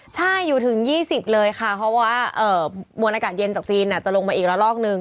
เพราะว่ามวลอากาศเย็นจากจีนจะลงมาอีกละรอกนึง